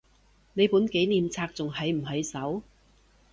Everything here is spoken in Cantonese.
你本紀念冊仲喺唔喺手？